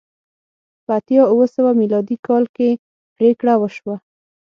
په اتیا اوه سوه میلادي کال کې پرېکړه وشوه